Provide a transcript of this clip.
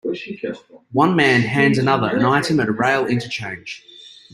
One man hands another an item at a rail interchange.